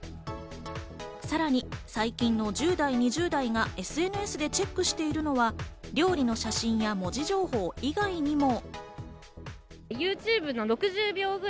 さらに、最近の１０代２０代がＳＮＳでチェックしているのは、料理の写真や文字情報以外にも。